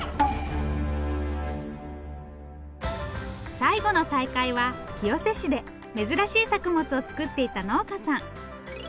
最後の再会は清瀬市で珍しい作物を作っていた農家さん。